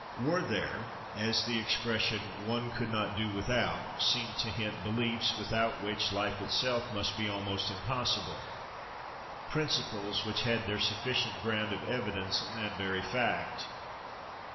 Were there, as the expression "one could not do without" seemed to hint, beliefs, without which life itself must be almost impossible, principles which had their sufficient ground of evidence in that very fact?